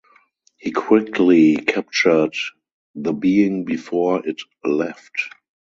He quickly captured the being before it left.